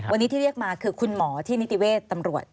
วันนี้ที่เรียกมาคือคุณหมอที่นิติเวศตำรวจ